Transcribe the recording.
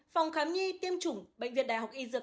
phòng khám nhi tiêm chủng bệnh viện đại học y dược